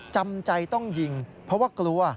จำใจต้องยิงเพราะว่ากลัว